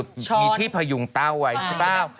มีที่พยุงเต้าไว้ใช่เปล่า